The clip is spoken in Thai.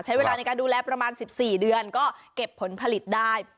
ใช้เวลาในการดูแลประมาณ๑๔เดือนก็เก็บผลผลิตได้